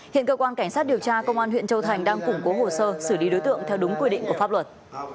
hiện cơ quan cảnh sát điều tra công an huyện châu thành đang củng cố hồ sơ xử lý đối tượng theo đúng quy định của pháp luật